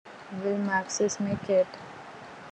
Will maxis make it?